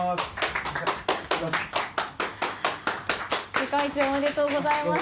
世界一、おめでとうございます。